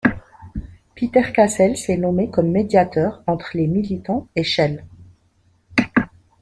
Peter Cassells est nommé comme médiateur entre les militants et Shell.